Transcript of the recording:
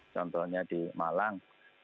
contohnya di malang